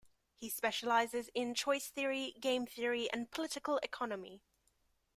He specializes in choice theory, game theory, and political economy.